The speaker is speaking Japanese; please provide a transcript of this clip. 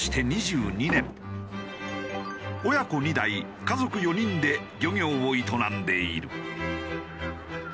親子２代家族４人で漁業を営んでいる。